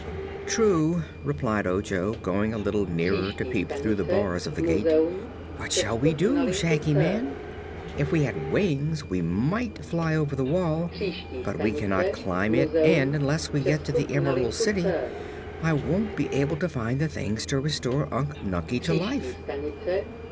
"True," replied Ojo, going a little nearer to peep through the bars of the gate. "What shall we do, Shaggy Man? If we had wings we might fly over the wall, but we cannot climb it and unless we get to the Emerald City I won't be able to find the things to restore Unc Nunkie to life."